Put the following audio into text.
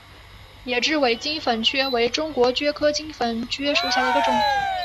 野雉尾金粉蕨为中国蕨科金粉蕨属下的一个种。